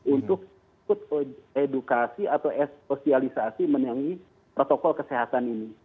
untuk edukasi atau sosialisasi menengah protokol kesehatan ini